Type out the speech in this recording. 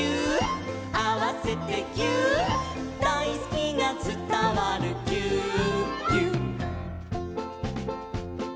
「あわせてぎゅーっ」「だいすきがつたわるぎゅーっぎゅっ」